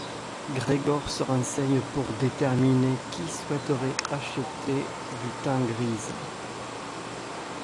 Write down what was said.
Gregor se renseigne pour déterminer qui souhaiterait acheter du Tangreese.